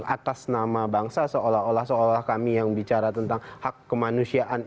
atas nama bangsa seolah olah kami yang bicara tentang hak kemanusiaan